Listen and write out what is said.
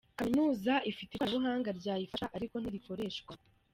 Kaminuza ifite ikoranabuhanga ryayifasha ariko ntirikoreshwa.